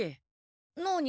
なに？